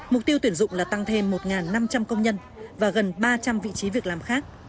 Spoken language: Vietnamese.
mục tiêu tuyển dụng là tăng thêm một năm trăm linh công nhân và gần ba trăm linh vị trí việc làm khác